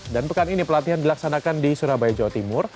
dan pekan ini pelatihan dilaksanakan di surabaya jawa timur